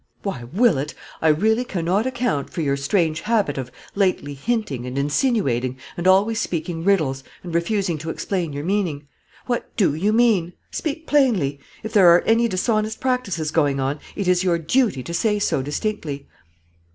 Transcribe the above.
"Why, Willett, I really cannot account for your strange habit of lately hinting, and insinuating, and always speaking riddles, and refusing to explain your meaning. What do you mean? Speak plainly. If there are any dishonest practices going on, it is your duty to say so distinctly."